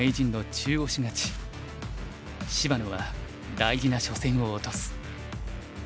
芝野は大事な初戦を落とす。